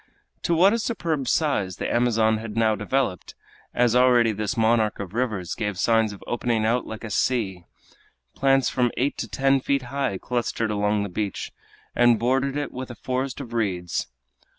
To what a superb size the Amazon had now developed as already this monarch of rivers gave signs of opening out like a sea! Plants from eight to ten feet high clustered along the beach, and bordered it with a forest of reeds.